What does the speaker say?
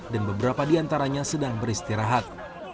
dan beberapa diantaranya sedang beristirahat